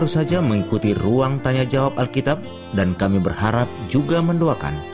sampai bertemu kembali dalam program yang sama minggu depan